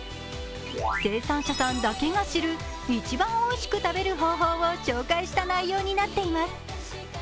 生産者産だけが知る一番おいしく食べる方法を紹介した内容になっています。